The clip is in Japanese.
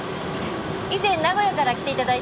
以前名古屋から来て頂いた